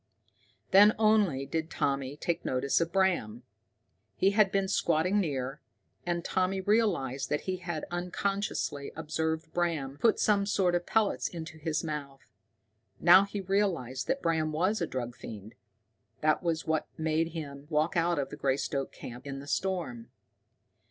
Then only did Tommy take notice of Bram. He had been squatting near, and Tommy realized that he had unconsciously observed Bram put some sort of pellets into his mouth. Now he realized that Bram was a drug fiend. That was what had made him walk out of the Greystoke camp in the storm.